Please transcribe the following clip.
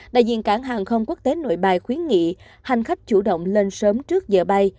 đại diện cảng hàng không quốc tế nội bài khuyến nghị hành khách chủ động lên sớm trước giờ bay